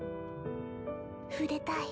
触れたい。